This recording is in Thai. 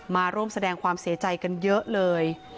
มาร่วมแสดงความเสียใจกันเยอะเลย